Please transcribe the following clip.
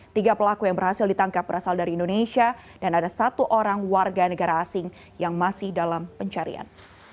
tiga pelaku yang berhasil ditangkap berasal dari indonesia dan ada satu orang warga negara asing yang masih dalam pencarian